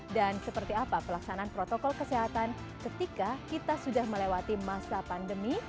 dan seperti apa pelaksanaan protokol kesehatan ketika kita sudah melewati masa pandemi